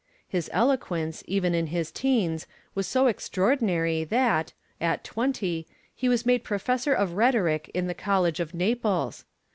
His eloquence, even in his teens, was so extraordinary that, at twenty, he was made Professor of Rhetoric in the College of Naples.